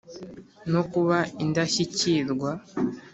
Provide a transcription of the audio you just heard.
no kuba indashyikirwa.